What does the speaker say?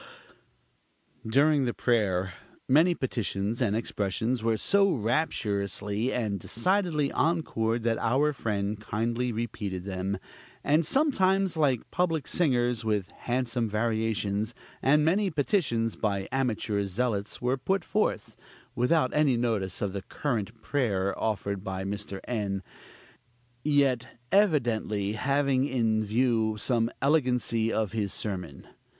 During the prayer, many petitions and expressions were so rapturously and decidedly encored, that our friend kindly repeated them; and sometimes, like public singers, with handsome variations; and many petitions by amateur zealots were put forth, without any notice of the current prayer offered by Mr. N., yet evidently having in view some elegancy of his sermon.